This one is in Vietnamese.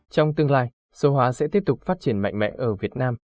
trong tương lai số hóa sẽ tiếp tục phát triển mạnh mẽ ở việt nam